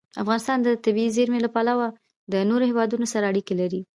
افغانستان د طبیعي زیرمې له پلوه له نورو هېوادونو سره اړیکې لري.